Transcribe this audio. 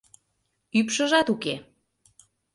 — Ӱпшыжат уке.